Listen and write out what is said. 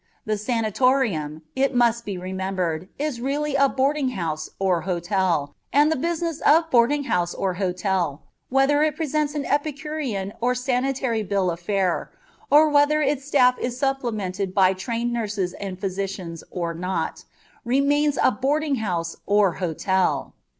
The sanatorium, it must be remembered, is really a boarding house or hotel, and the business of boarding house or hotel, whether it presents an epicurean or "sanitary" bill of fare, or whether its staff is supplemented by trained nurses and physicians or not, remains a boarding house or hotel.